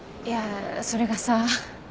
いやそれがさ。